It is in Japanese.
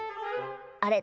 「あれ？